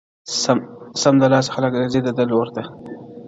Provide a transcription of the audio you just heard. سمدلاسه خلګ راسي د ده لور ته,